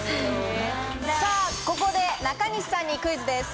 さあここで中西さんにクイズです。